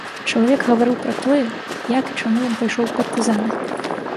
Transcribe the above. Чалавек гаварыў пра тое, як і чаму ён пайшоў у партызаны.